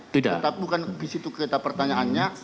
tetapi bukan di situ kita pertanyaannya